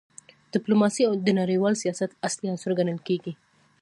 ډیپلوماسي د نړیوال سیاست اصلي عنصر ګڼل کېږي.